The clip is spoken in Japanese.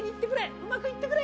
うまくいってくれ。